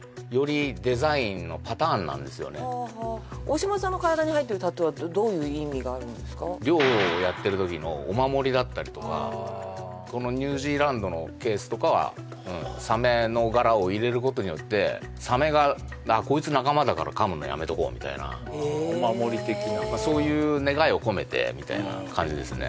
そもそもトライバルタトゥーはこんな感じのああ色じゃないんですか漁をやってる時のお守りだったりとかこのニュージーランドのケースとかはサメの柄を入れることによってサメがこいつ仲間だから噛むのやめとこうみたいなお守り的なそういう願いを込めてみたいな感じですね